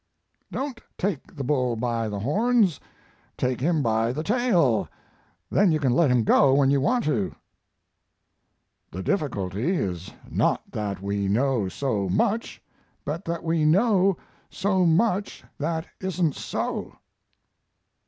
"Don't take the bull by the horns take him by the tail; then you can let go when you want to." "The difficulty is not that we know so much, but that we know so much that isn't so."